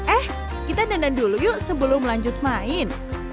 eh kita dandan dulu yuk sebelum lanjut main